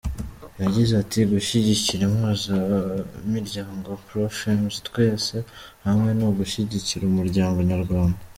Yagize ati “Gushyigikira Impuzamiryango Pro –Femmes Twese Hamwe ni ugushyigikira umuryango nyarwanda.